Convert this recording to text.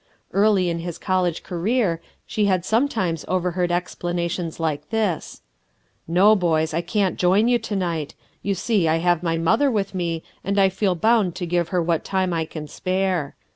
Early in his college career she had sometimes overheard explanations like this: — "No, boys, I can't join you to night You sec, I have my mother with me and I feel bound to give her what time I can spare.